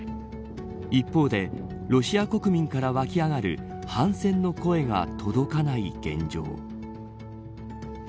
一方でロシア国民から湧き上がる反戦の声が届かない現状。